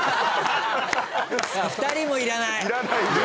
２人もいらない！